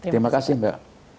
terima kasih mbak